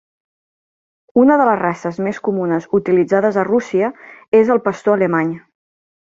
Una de les races més comunes utilitzades a Rússia, és el pastor alemany.